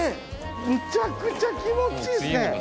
むちゃくちゃ気持ちいいですね。